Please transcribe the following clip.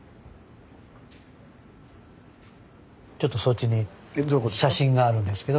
ちょっとそっちに写真があるんですけど。